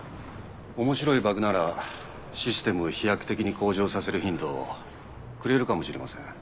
面白いバグならシステムを飛躍的に向上させるヒントをくれるかもしれません。